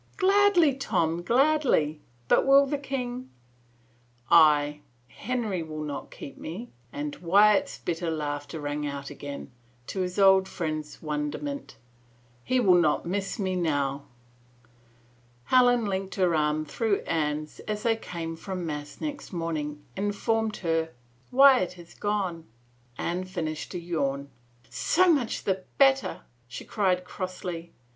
Gladly, Tom, gladly. But will the king—" " Aye,. Henry will not keep me," and Wyatt's bitter laugh rang out again, to his old friend's wonderment. " He will not miss me now." Helen, linking her arm through Anne's as they came from mass next morning, informed her, "Wyatt has gone." Anne finished a yawn. " So much the better,'* she cried crossly.